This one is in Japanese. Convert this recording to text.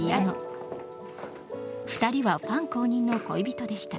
２人はファン公認の恋人でした。